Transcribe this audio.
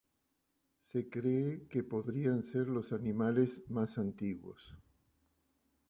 Se cree que podrían ser los animales más antiguos.